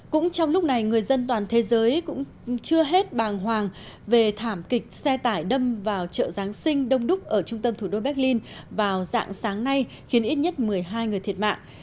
cũng trong lúc này người dân toàn thế giới cũng chưa hết bàng hoàng về thảm kịch xe tải đâm vào chợ giáng sinh đông đúc ở trung tâm thủ đô berlin vào dạng sáng nay khiến ít nhất một mươi hai người thiệt mạng